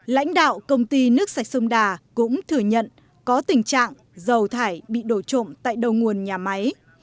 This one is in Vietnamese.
lãnh đạo công ty nước sạch sông đà cũng thừa nhận có tình trạng dầu thải bị đổ trộm tại đầu nguồn nhà máy